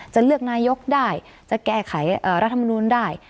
จะเลือกนายกได้จะแก้ไขรัฐมนูลได้